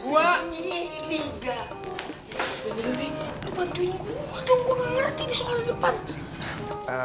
gue nggak ngerti di soal yang depan